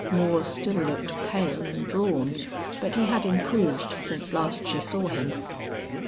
Moore still looked pale and drawn, but he had improved since last she saw him.